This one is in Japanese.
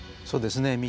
そうですね。